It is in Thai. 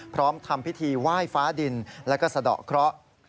พร้อมทำพิธีไหว้ฟ้าดินแล้วก็สะดอกเคราะห์